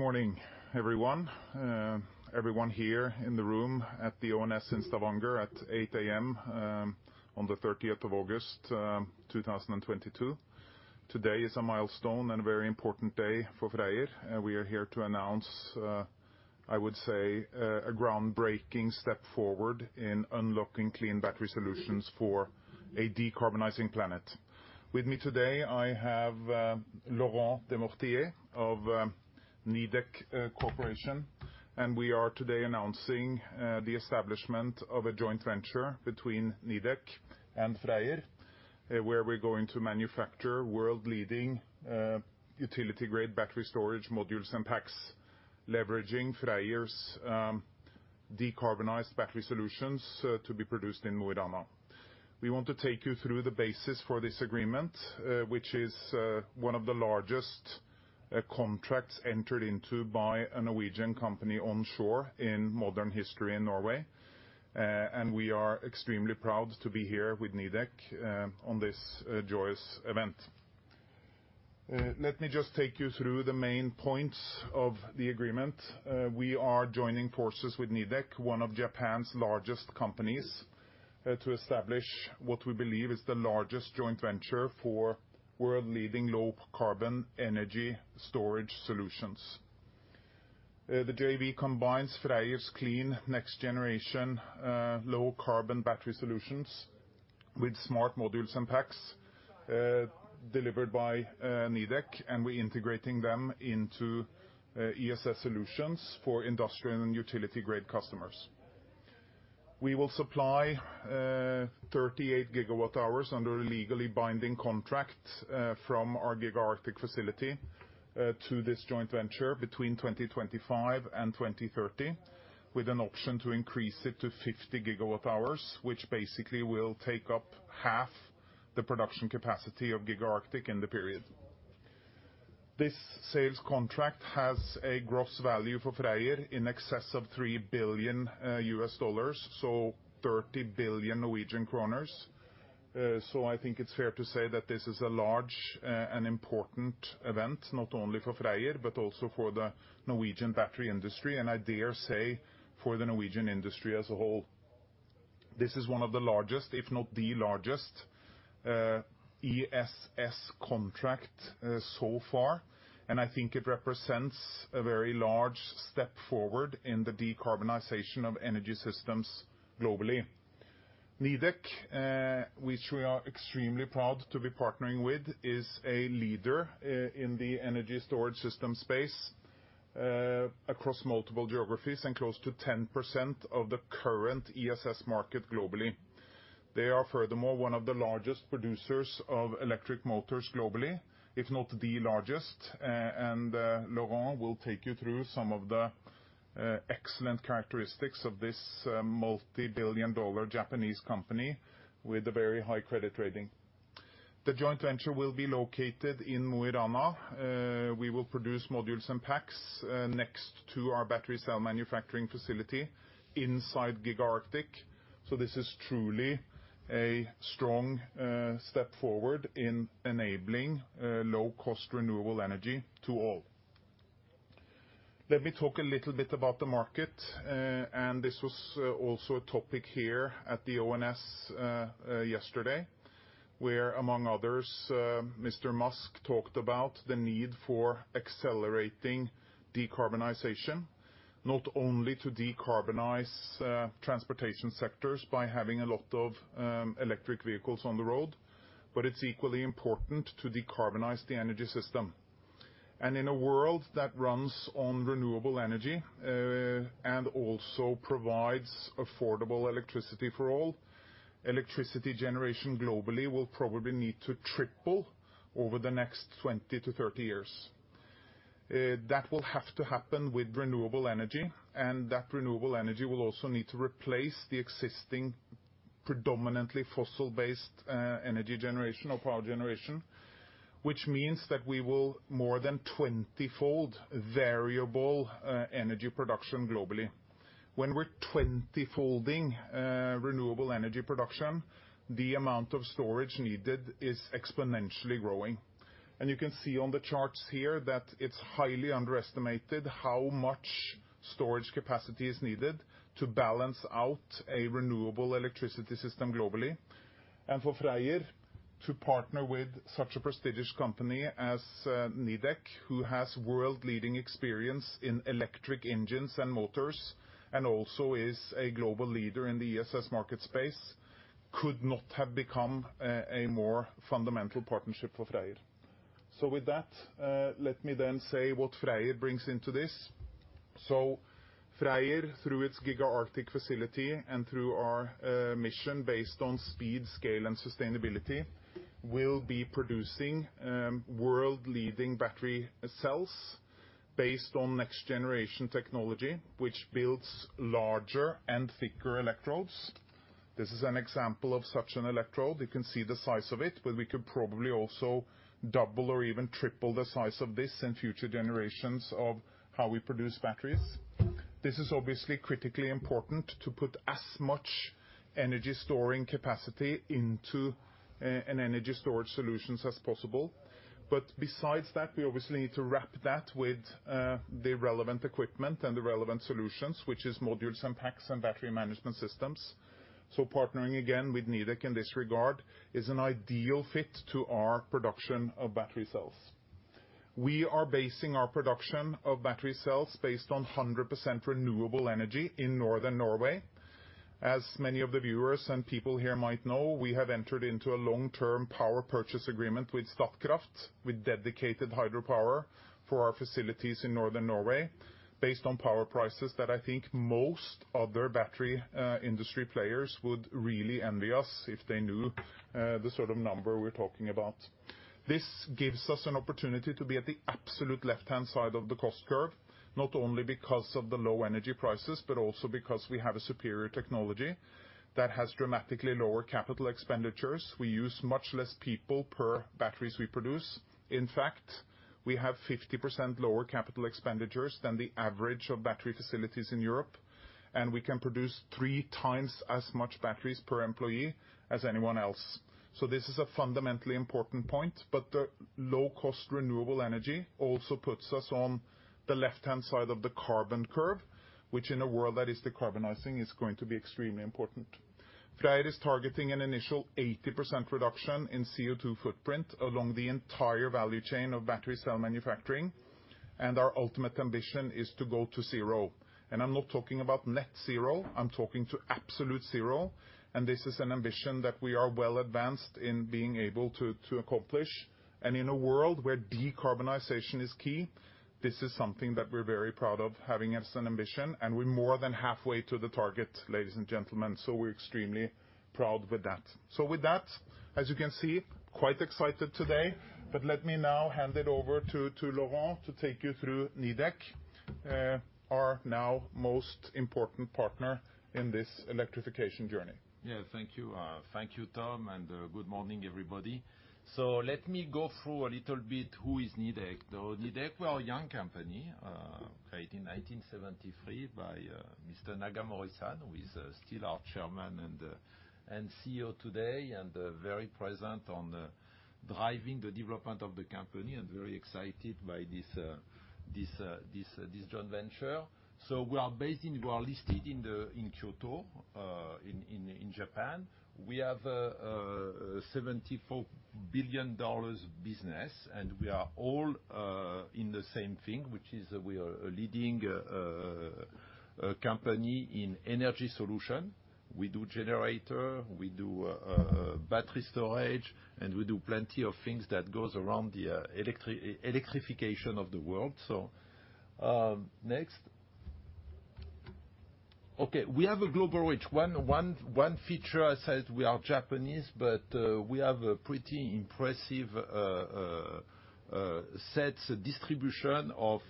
Good morning, everyone. Everyone here in the room at the ONS in Stavanger at 8:00 A.M. on the 30th of August, 2022. Today is a milestone and a very important day for Freyr. We are here to announce, I would say, a groundbreaking step forward in unlocking clean battery solutions for a decarbonizing planet. With me today, I have Laurent Demortier of Nidec Corporation. We are today announcing the establishment of a joint venture between Nidec and Freyr, where we're going to manufacture world-leading utility grade battery storage modules and packs, leveraging Freyr's decarbonized battery solutions to be produced in Mo i Rana. We want to take you through the basis for this agreement, which is one of the largest contracts entered into by a Norwegian company onshore in modern history in Norway. We are extremely proud to be here with Nidec on this joyous event. Let me just take you through the main points of the agreement. We are joining forces with Nidec, one of Japan's largest companies, to establish what we believe is the largest joint venture for world-leading low carbon energy storage solutions. The JV combines Freyr's clean, next generation low carbon battery solutions with smart modules and packs delivered by Nidec, and we're integrating them into ESS solutions for industrial and utility grade customers. We will supply 38 GW hours under a legally binding contract from our Giga Arctic facility to this joint venture between 2025 and 2030, with an option to increase it to 50 GWh, which basically will take up half the production capacity of Giga Arctic in the period. This sales contract has a gross value for Freyr in excess of $3 billion, so 30 billion Norwegian kroner. I think it's fair to say that this is a large and important event, not only for Freyr, but also for the Norwegian battery industry, and I dare say, for the Norwegian industry as a whole. This is one of the largest, if not the largest, ESS contract so far. I think it represents a very large step forward in the decarbonization of energy systems globally. Nidec, which we are extremely proud to be partnering with, is a leader in the energy storage system space across multiple geographies and close to 10% of the current ESS market globally. They are furthermore one of the largest producers of electric motors globally, if not the largest. Laurent will take you through some of the excellent characteristics of this multi-billion dollar Japanese company with a very high credit rating. The joint venture will be located in Mo i Rana. We will produce modules and packs next to our battery cell manufacturing facility inside Giga Arctic. This is truly a strong step forward in enabling low cost renewable energy to all. Let me talk a little bit about the market. This was also a topic here at the ONS yesterday, where among others, Mr. Musk talked about the need for accelerating decarbonization. Not only to decarbonize, transportation sectors by having a lot of, electric vehicles on the road, but it's equally important to decarbonize the energy system. In a world that runs on renewable energy, and also provides affordable electricity for all, electricity generation globally will probably need to triple over the next 20-30 years. That will have to happen with renewable energy, and that renewable energy will also need to replace the existing predominantly fossil-based, energy generation or power generation. Which means that we will more than 20-fold variable, energy production globally. When we're 20-folding, renewable energy production, the amount of storage needed is exponentially growing. You can see on the charts here that it's highly underestimated how much storage capacity is needed to balance out a renewable electricity system globally. For Freyr to partner with such a prestigious company as Nidec, who has world-leading experience in electric engines and motors, and also is a global leader in the ESS market space, could not have become a more fundamental partnership for Freyr. With that, let me then say what Freyr brings into this. Freyr, through its Giga Arctic facility and through our mission based on speed, scale, and sustainability, will be producing world-leading battery cells based on next generation technology, which builds larger and thicker electrodes. This is an example of such an electrode. You can see the size of it, but we could probably also double or even triple the size of this in future generations of how we produce batteries. This is obviously critically important to put as much energy storing capacity into an energy storage solutions as possible. Besides that, we obviously need to wrap that with the relevant equipment and the relevant solutions, which is modules and packs and battery management systems. Partnering again with Nidec in this regard is an ideal fit to our production of battery cells. We are basing our production of battery cells based on 100% renewable energy in Northern Norway. As many of the viewers and people here might know, we have entered into a long-term power purchase agreement with Statkraft, with dedicated hydropower for our facilities in Northern Norway based on power prices that I think most other battery, industry players would really envy us if they knew, the sort of number we're talking about. This gives us an opportunity to be at the absolute left-hand side of the cost curve, not only because of the low energy prices, but also because we have a superior technology that has dramatically lower capital expenditures. We use much less people per batteries we produce. In fact, we have 50% lower capital expenditures than the average of battery facilities in Europe, and we can produce three times as much batteries per employee as anyone else. This is a fundamentally important point, but the low-cost renewable energy also puts us on the left-hand side of the carbon curve, which in a world that is decarbonizing is going to be extremely important. Freyr is targeting an initial 80% reduction in CO2 footprint along the entire value chain of battery cell manufacturing, and our ultimate ambition is to go to zero. I'm not talking about net zero, I'm talking to absolute zero, and this is an ambition that we are well advanced in being able to to accomplish. In a world where decarbonization is key, this is something that we're very proud of having as an ambition, and we're more than halfway to the target, ladies and gentlemen. We're extremely proud with that. With that, as you can see, quite excited today. Let me now hand it over to Laurent to take you through Nidec, our now most important partner in this electrification journey. Yeah, thank you. Thank you, Tom, and good morning, everybody. Let me go through a little bit who is Nidec, though. Nidec, we are a young company, created in 1973 by Mr. Nagamori-san, who is still our Chairman and CEO today, and very present on driving the development of the company and very excited by this joint venture. We are based in Kyoto, in Japan. We have $74 billion business, and we are all in the same thing, which is we are leading a company in energy solution. We do generator, we do battery storage, and we do plenty of things that goes around the electrification of the world. Next. Okay, we have a global reach. One feature, I said we are Japanese, but we have a pretty impressive asset distribution of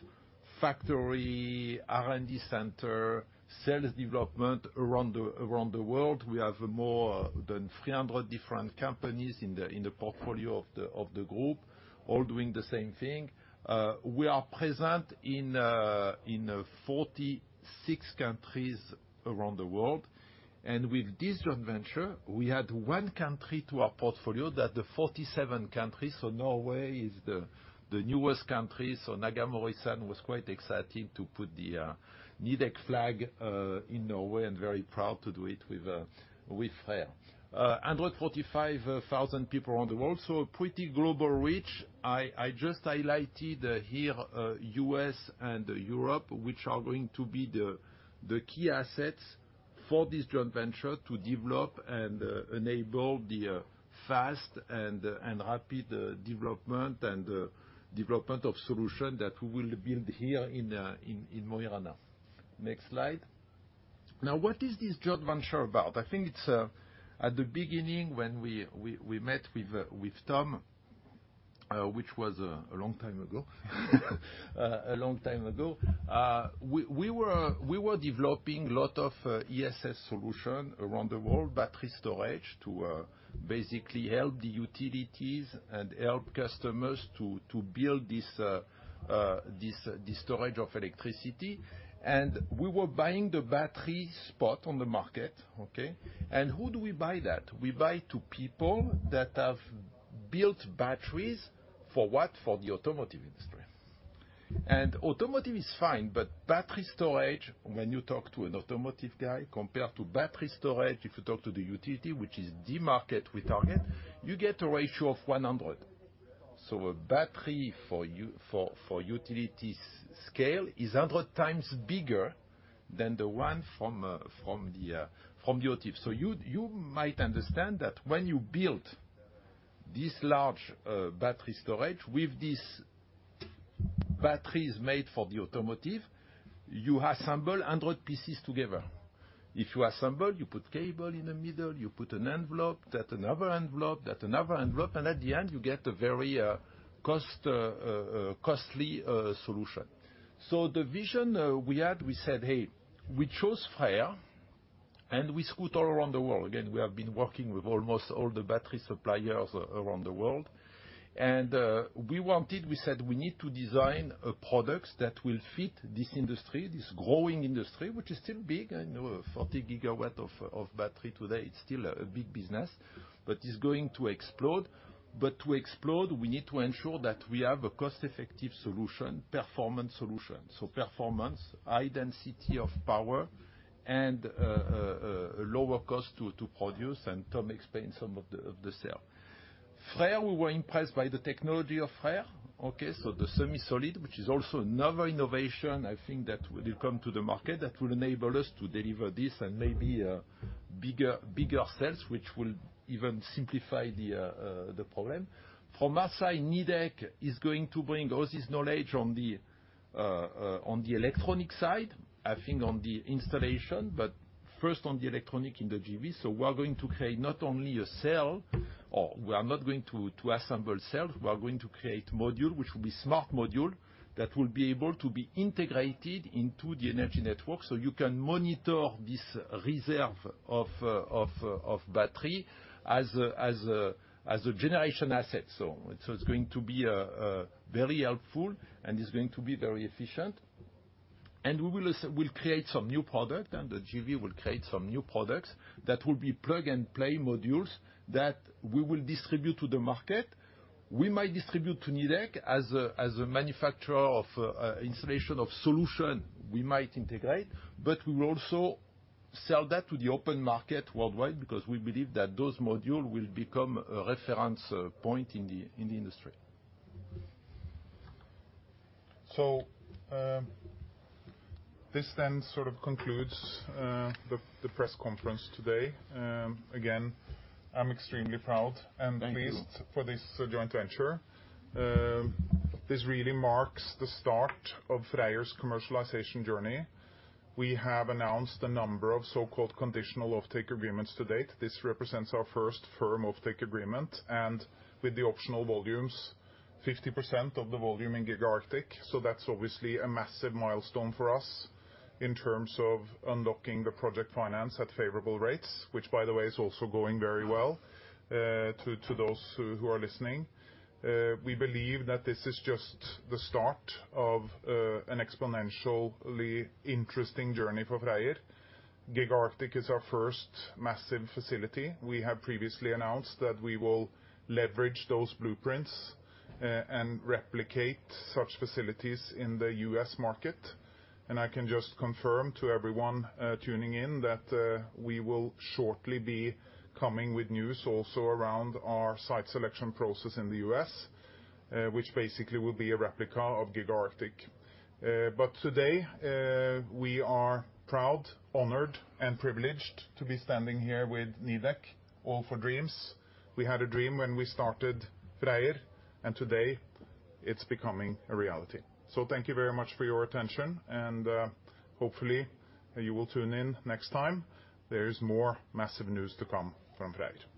factories, R&D centers, sales development around the world. We have more than 300 different companies in the portfolio of the group, all doing the same thing. We are present in 46 countries around the world. With this joint venture, we add one country to our portfolio. That’s the 47 countries, so Norway is the newest country. Mr. Nagamori was quite excited to put the Nidec flag in Norway and very proud to do it with Freyr. 145,000 people around the world, so a pretty global reach. I just highlighted here U.S. and Europe, which are going to be the key assets for this joint venture to develop and enable the fast and rapid development of solution that we will build here in Mo i Rana. Next slide. Now, what is this joint venture about? I think it's at the beginning when we met with Tom, which was a long time ago, we were developing a lot of ESS solution around the world, battery storage, to basically help the utilities and help customers to build this storage of electricity. We were buying the battery spot on the market, okay? Who do we buy that? We buy to people that have built batteries. For what? For the automotive industry. Automotive is fine, but battery storage, when you talk to an automotive guy, compared to battery storage, if you talk to the utility, which is the market we target, you get a ratio of 100. A battery for utility-scale is 100x bigger than the one from the auto. You might understand that when you build this large battery storage with these batteries made for the automotive, you assemble 100 pieces together. If you assemble, you put cable in the middle, you put an envelope, that another envelope, that another envelope, and at the end, you get a very costly solution. The vision we had, we said, "Hey, we chose Freyr." We scout all around the world. Again, we have been working with almost all the battery suppliers around the world, and we wanted. We said we need to design a product that will fit this industry, this growing industry, which is still big. I know 40 GW of battery today, it's still a big business, but is going to explode. To explode, we need to ensure that we have a cost-effective solution, performance solution. Performance, high density of power, and lower cost to produce, and Tom explained some of the scale. Freyr, we were impressed by the technology of Freyr, okay? The semi-solid, which is also another innovation, I think that will come to the market that will enable us to deliver this and maybe bigger sales, which will even simplify the problem. From our side, Nidec is going to bring all this knowledge on the electronic side, I think on the installation, but first on the electronic in the JV. We're going to create. We are not going to assemble cells. We are going to create module, which will be smart module, that will be able to be integrated into the energy network. You can monitor this reserve of battery as a generation asset. It's going to be very helpful and it's going to be very efficient. We will also. We'll create some new product, and the JV will create some new products that will be plug-and-play modules that we will distribute to the market. We might distribute to Nidec as a manufacturer of installation of solution we might integrate, but we will also sell that to the open market worldwide because we believe that those module will become a reference point in the industry. This then sort of concludes the press conference today. Again, I'm extremely proud and Thank you. Pleased for this, joint venture. This really marks the start of Freyr's commercialization journey. We have announced a number of so-called conditional offtake agreements to date. This represents our first firm offtake agreement, and with the optional volumes, 50% of the volume in Giga Arctic. That's obviously a massive milestone for us in terms of unlocking the project finance at favorable rates, which by the way, is also going very well, to those who are listening. We believe that this is just the start of an exponentially interesting journey for Freyr. Giga Arctic is our first massive facility. We have previously announced that we will leverage those blueprints, and replicate such facilities in the US market. I can just confirm to everyone tuning in that we will shortly be coming with news also around our site selection process in the U.S., which basically will be a replica of Giga Arctic. Today we are proud, honored, and privileged to be standing here with Nidec, all for dreams. We had a dream when we started Freyr, and today it's becoming a reality. Thank you very much for your attention and hopefully you will tune in next time. There is more massive news to come from Freyr.